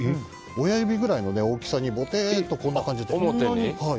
親指くらいの大きさにぼてっとこんな感じで。